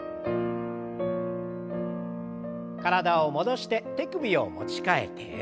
体を戻して手首を持ち替えて。